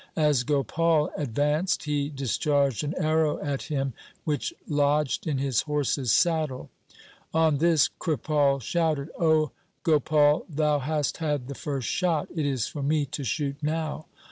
As Gopal advanced he dis charged an arrow at him, which lodged in his horse's saddle. On this Kripal shouted, ' O Gopal, thou hast had the first shot. It is for me to shoot now.'